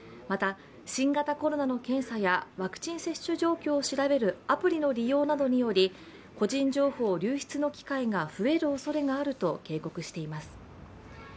また新型コロナの検査やワクチン接種状況を調べるアプリの利用などにより個人情報流出の機会が増えるおそれがあると警告しています。